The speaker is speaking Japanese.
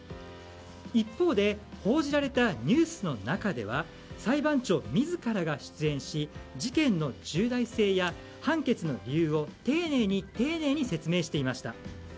一方で報じられたニュースの中では裁判長自らが出演し事件の重大性や判決の理由を丁寧に丁寧に説明していました。